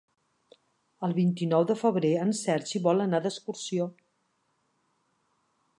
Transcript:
El vint-i-nou de febrer en Sergi vol anar d'excursió.